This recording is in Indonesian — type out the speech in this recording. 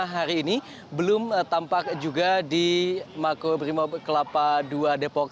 empat puluh lima hari ini belum tampak juga di makoprimap kelapa dua depok